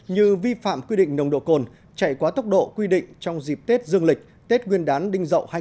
như vi phạm quy định nồng độ cồn chạy quá tốc độ quy định trong dịp tết dương lịch tết nguyên đán đinh dậu hai nghìn hai mươi